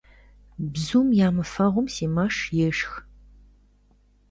Бзум ямыфэгъум си мэш ешх.